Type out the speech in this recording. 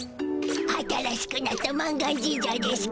新しくなった満願神社でしゅ